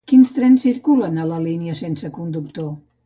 Quins trens circulen a la línia sense conductor?